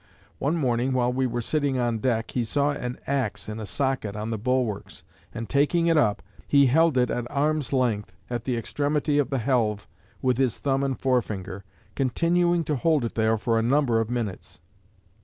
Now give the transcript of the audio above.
One morning, while we were sitting on deck, he saw an axe in a socket on the bulwarks, and taking it up, he held it at arm's length at the extremity of the helve with his thumb and forefinger, continuing to hold it there for a number of minutes.